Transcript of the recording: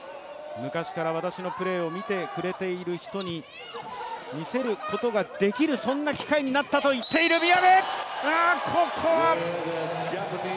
昔から私のプレーを見てくれている人に、見せることができるそんな機会になったと言っている宮部。